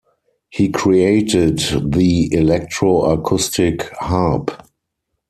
He created the electro-acoustic harp.